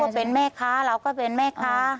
เป็นแม่ค้าเราก็เป็นแม่ค้า